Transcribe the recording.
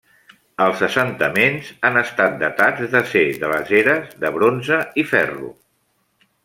Els assentaments han estat datats de ser de les eres de bronze i ferro.